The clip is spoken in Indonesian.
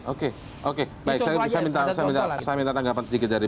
oke oke baik saya minta tanggapan sedikit dari